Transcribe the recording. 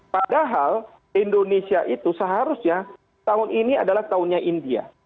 padahal indonesia itu seharusnya tahun ini adalah tahunnya india